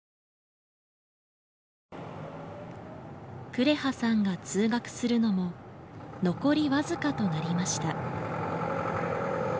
紅羽さんが通学するのも残りわずかとなりました。